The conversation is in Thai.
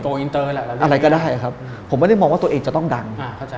อินเตอร์แหละอะไรก็ได้ครับผมไม่ได้มองว่าตัวเองจะต้องดัง